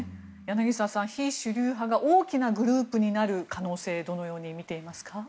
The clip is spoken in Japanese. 柳澤さん、非主流派が大きなグループになる可能性どのように見ていますか？